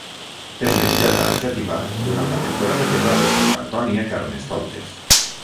És menjada a Xàtiva durant la temporada que va de Sant Antoni a Carnestoltes.